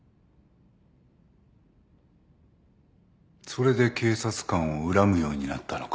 それで警察官を恨むようになったのか。